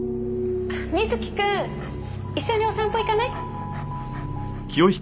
瑞貴くん一緒にお散歩行かない？